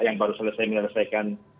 yang baru selesai selesaikan